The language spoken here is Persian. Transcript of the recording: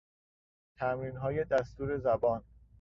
تمرینهای دستور زبان